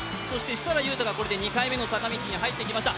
設楽悠太が２回目の坂道に入ってきました。